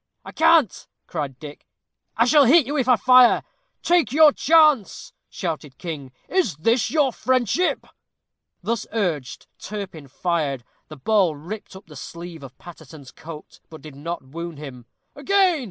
"I can't," cried Dick; "I shall hit you, if I fire." "Take your chance," shouted King. "Is this your friendship?" Thus urged, Turpin fired. The ball ripped up the sleeve of Paterson's coat, but did not wound him. "Again!"